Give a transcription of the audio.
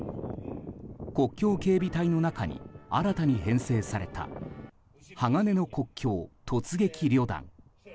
国境警備隊の中に新たに編成された鋼の国境突撃旅団。